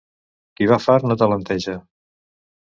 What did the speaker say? Qui va fart no talenteja.